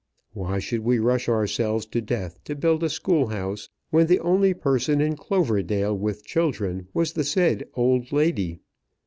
Why should we rush ourselves to death to build a school house when the only person in Cloverdale with children was the said old lady?